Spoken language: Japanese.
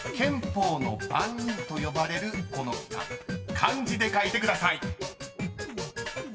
［漢字で書いてください］